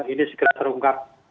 ini segera terungkap